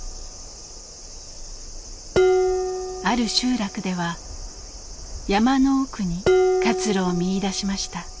ある集落では山の奥に活路を見いだしました。